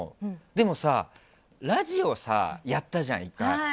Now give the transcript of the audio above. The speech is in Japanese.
でもラジオやったじゃん、１回。